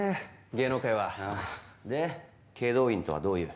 芸能界はで祁答院とはどういう？